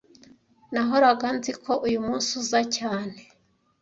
Nahoraga nzi ko uyumunsi uza cyane